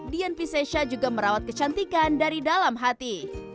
dian piscesha juga merawat kecantikan dari dalam hati